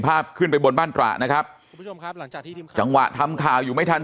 ภาพขึ้นไปบนบ้านตรานะครับจังหวะทำข่าวอยู่ไม่ทัน